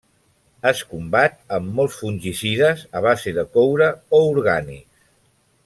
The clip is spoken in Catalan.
Es combat amb molts fungicides a base de coure o orgànics.